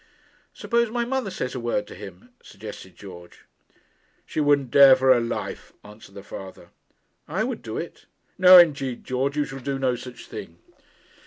'Suppose my mother says a word to him,' suggested George. 'She wouldn't dare for her life,' answered the father. 'I would do it.' 'No, indeed, George; you shall do no such thing.'